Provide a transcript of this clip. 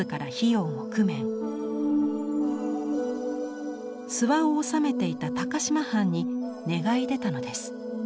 諏訪を治めていた高島藩に願い出たのです。